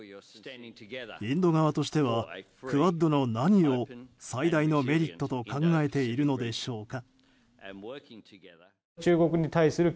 インド側としてはクアッドの何を最大のメリットと考えているのでしょうか。